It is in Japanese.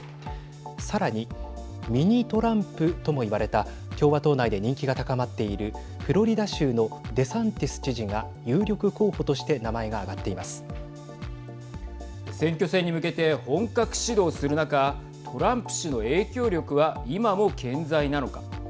さらにミニ・トランプとも言われた共和党内で人気が高まっているフロリダ州のデサンティス知事が有力候補として選挙戦に向けて本格始動する中トランプ氏の影響力は今も健在なのか。